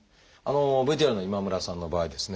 ＶＴＲの今村さんの場合ですね